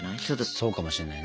そうかもしれないね。